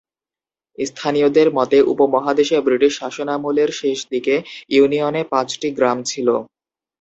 স্থানীয়দের মতে, উপমহাদেশে ব্রিটিশ শাসনামলের শেষ দিকে ইউনিয়নে পাঁচটি গ্রাম ছিলো।